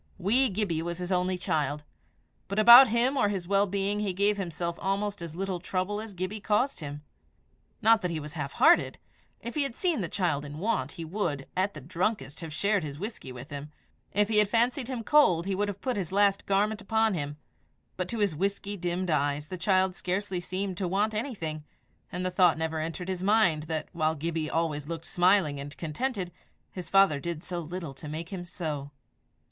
Wee Gibbie was his only child, but about him or his well being he gave himself almost as little trouble as Gibbie caused him! Not that he was hard hearted; if he had seen the child in want, he would, at the drunkest, have shared his whisky with him; if he had fancied him cold, he would have put his last garment upon him; but to his whisky dimmed eyes the child scarcely seemed to want anything, and the thought never entered his mind that, while Gibbie always looked smiling and contented, his father did so little to make him so.